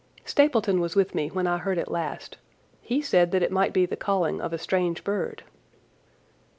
"Stapleton was with me when I heard it last. He said that it might be the calling of a strange bird."